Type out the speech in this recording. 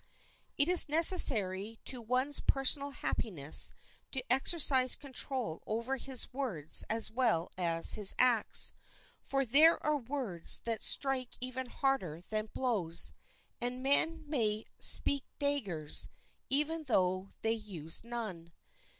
It is necessary to one's personal happiness to exercise control over his words as well as his acts, for there are words that strike even harder than blows, and men may "speak daggers," even though they use none.